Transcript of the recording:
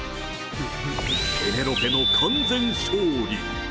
ペネロペの完全勝利。